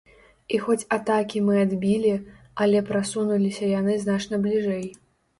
І хоць атакі мы адбілі, але прасунуліся яны значна бліжэй.